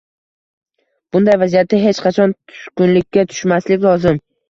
Bunday vaziyatda hech qachon tushkunlikka tushmaslik lozim.